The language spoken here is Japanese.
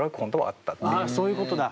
あそういうことだ！